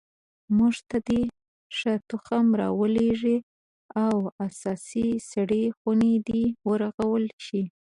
موږ ته دې ښه تخم را ولیږي او اساسي سړې خونې دې ورغول شي